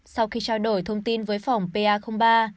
sau khi trao đổi thông tin với phòng pa ba